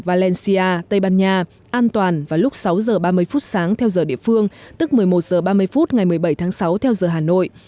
valencia tây ban nha an toàn vào lúc sáu h ba mươi phút sáng theo giờ địa phương tức một mươi một h ba mươi phút ngày một mươi bảy tháng sáu theo giờ hà nội